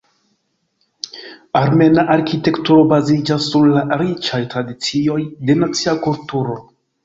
Armena arkitekturo baziĝas sur la riĉaj tradicioj de nacia kulturo.